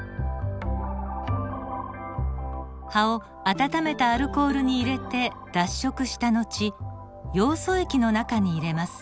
葉を温めたアルコールに入れて脱色した後ヨウ素液の中に入れます。